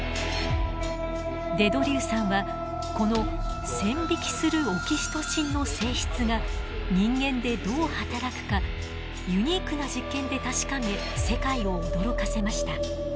デ・ドリューさんはこの線引きするオキシトシンの性質が人間でどう働くかユニークな実験で確かめ世界を驚かせました。